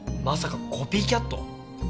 まさかコピーキャット？